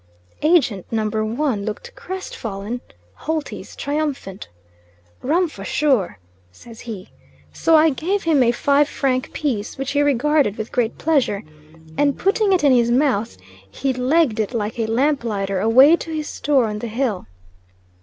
Agent number one looked crestfallen, Holty's triumphant. "Rum, fur sure," says he; so I gave him a five franc piece, which he regarded with great pleasure, and putting it in his mouth, he legged it like a lamplighter away to his store on the hill.